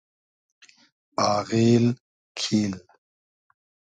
آغیل کیل